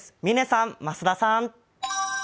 嶺さん、増田さん。